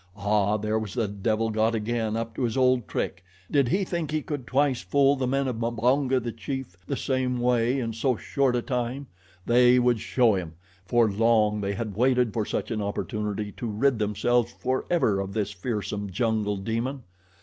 Ah! there was the devil god again, up to his old trick. Did he think he could twice fool the men of Mbonga, the chief, the same way in so short a time? They would show him! For long they had waited for such an opportunity to rid themselves forever of this fearsome jungle demon.